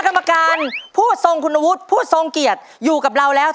ขอต้อนรับทุกท่านเข้าสู่เวทีการของเด็กซ่าเสียงดีที่จะมาสู้เพื่อบ้านเกิดใน